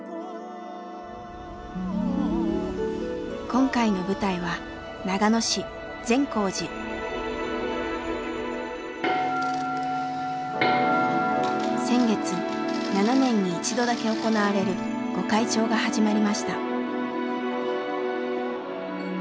今回の舞台は先月７年に一度だけ行われる御開帳が始まりました。